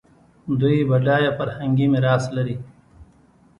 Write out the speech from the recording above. دوی بډایه فرهنګي میراث لري.